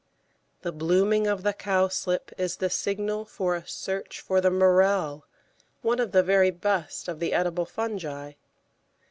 The blooming of the Cowslip is the signal for a search for the Morell, one of the very best of the edible fungi.